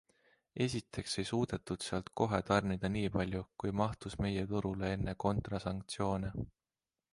Esiteks ei suudetud sealt kohe tarnida niipalju, kui mahtus meie turule enne kontrasanktsioone.